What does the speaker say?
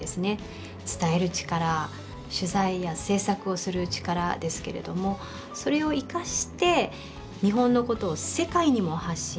伝える力取材や制作をする力ですけれどもそれを生かして日本のことを世界にも発信する。